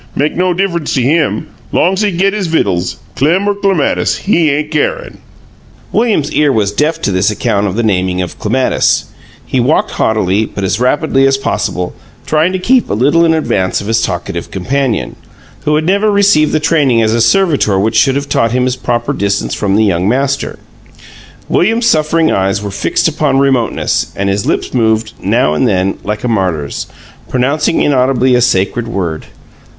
Make no diff'ence to him, long's he git his vittles. Clem or Clematis, HE ain' carin'!" William's ear was deaf to this account of the naming of Clematis; he walked haughtily, but as rapidly as possible, trying to keep a little in advance of his talkative companion, who had never received the training as a servitor which should have taught him his proper distance from the Young Master. William's suffering eyes were fixed upon remoteness; and his lips moved, now and then, like a martyr's, pronouncing inaudibly a sacred word.